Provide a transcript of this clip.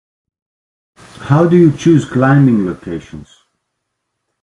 How do you choose climbing locations?